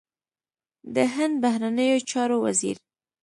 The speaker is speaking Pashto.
د هند بهرنیو چارو وزیر